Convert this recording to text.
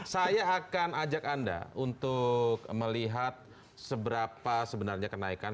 saya akan ajak anda untuk melihat seberapa sebenarnya kenaikan